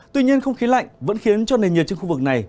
tuy nhiên không khí lạnh vẫn khiến cho nền nhiệt trên khu vực này